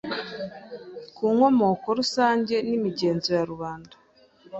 ku nkomoko rusange yimigenzo ya rubanda